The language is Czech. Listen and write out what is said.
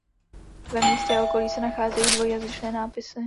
Ve městě a okolí se nacházejí dvojjazyčné nápisy.